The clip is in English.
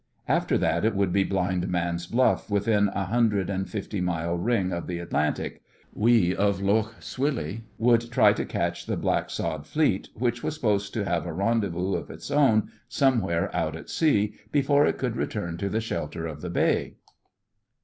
After that it would be blind man's bluff within a three hundred and fifty mile ring of the Atlantic. We of Lough Swilly would try to catch the Blacksod Fleet, which was supposed to have a rendezvous of its own somewhere out at sea, before it could return to the shelter of the Bay.